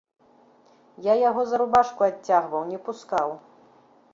Я яго за рубашку адцягваў, не пускаў.